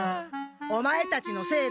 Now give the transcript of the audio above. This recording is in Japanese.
オマエたちのせいだ。